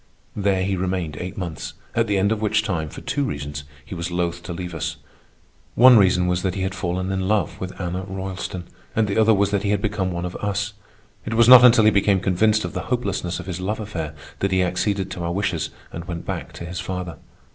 There he remained eight months, at the end of which time, for two reasons, he was loath to leave us. One reason was that he had fallen in love with Anna Roylston, and the other was that he had become one of us. It was not until he became convinced of the hopelessness of his love affair that he acceded to our wishes and went back to his father.